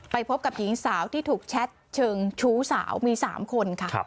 พบกับหญิงสาวที่ถูกแชทเชิงชู้สาวมี๓คนค่ะ